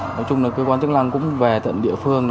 nói chung là cơ quan chức năng cũng về tận địa phương